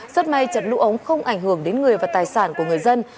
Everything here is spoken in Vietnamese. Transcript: rất may trận lũ ống không ảnh hưởng đến người và tài sản của người dân